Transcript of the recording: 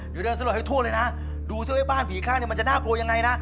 เดี๋ยวเดินสลดให้ทั่วเลยนะดูซิว่าบ้านผีคลั่งมันจะน่ากลัวยังไงนะ